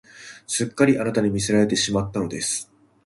すっかりあなたに魅せられてしまったのです